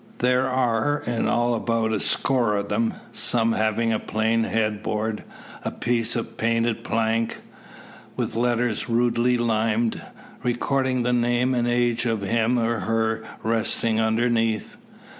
There are in all about a score of them; some having a plain head board a piece of painted plank, with letters rudely limned, recording the name and age of him or her resting underneath.